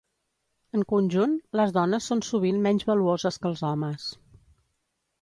En conjunt, les dones són sovint menys valuoses que els homes.